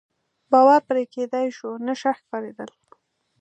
باور پرې کېدای شو، نشه ښکارېدل.